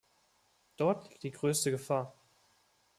Dort liegt die größte Gefahr.